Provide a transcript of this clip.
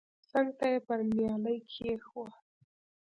څنگ ته يې پر نيالۍ کښېښوه.